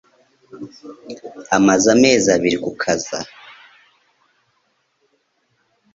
Amaze amezi abiri ku kaza.